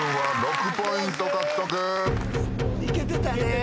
いけてたね。